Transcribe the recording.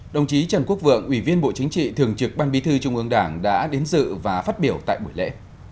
đồng chí trần quốc vượng ủy viên bộ chính trị thường trực ban bí thư trung ương đảng đã đến dự và phát biểu tại buổi lễ